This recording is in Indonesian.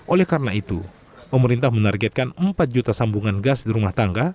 oleh karena itu pemerintah menargetkan empat juta sambungan gas di rumah tangga